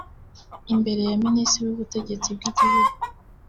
imbere ya Minisitiri w’Ubutegetsi bw’Igihugu